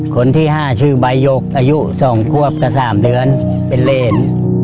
คนที่๕ชื่อใบยกอายุ๒ควบกับ๓เดือนเป็นเหรน